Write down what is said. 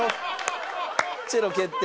チェロ決定。